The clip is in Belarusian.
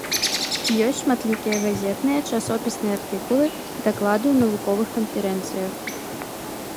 Ёсць шматлікія газетныя, часопісныя артыкулы, даклады ў навуковых канферэнцыях.